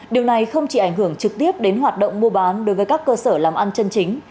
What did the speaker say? điều này không chỉ ảnh hưởng trực tiếp đến hoạt động mua bán đối với các cơ sở làm ăn chân chính